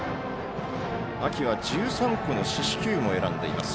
秋は１３個の四死球も選んでいます。